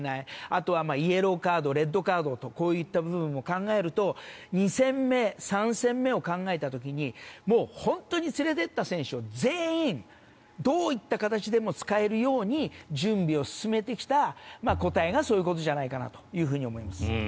あとはイエローカードレッドカードとこういった部分を考えると２戦目、３戦目を考えた時に本当に連れていった選手を全員どういった形でも使えるように準備を進めてきた答えがそういうことじゃないかなと思います。